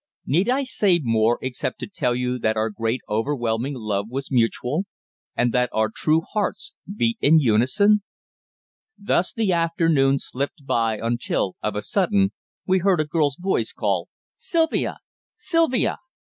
Need I say more, except to tell you that our great overwhelming love was mutual, and that our true hearts beat in unison? Thus the afternoon slipped by until, of a sudden, we heard a girl's voice call: "Sylvia! Sylvia!"